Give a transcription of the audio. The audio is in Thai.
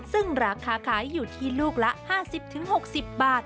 ซึ่งราคาขายอยู่ที่ลูกละ๕๐๖๐บาท